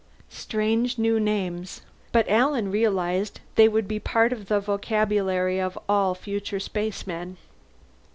Strange new names, but Alan realized they would be part of the vocabulary of all future spacemen.